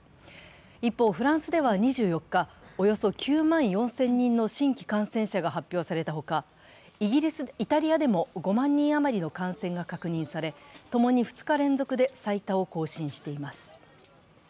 一方、フランスでは２４日、およそ９万４０００人の新規感染者が発表されたほか、イタリアでも５万人余りの感染が確認されともに２日連続で最多を更新しています。